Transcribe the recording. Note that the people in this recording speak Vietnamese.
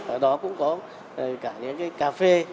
ở đó cũng có cả những cafe